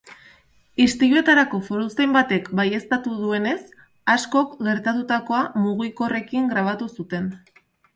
Istiluetarako foruzain batek baieztatu duenez, askok gertatutakoa mugikorrekin grabatu zuten.